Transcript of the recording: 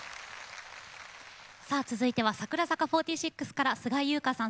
さあ続いては櫻坂４６から菅井友香さん